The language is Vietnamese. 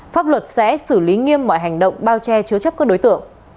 pháp luật sẽ xử lý nghiêm mọi hành động bao che chứa chấp các đối tượng